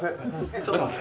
ちょっと待って。